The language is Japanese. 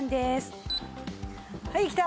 はいきた！